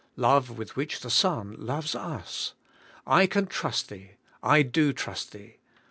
Love with which the Son loves us! I can trust thee, I do trust thee.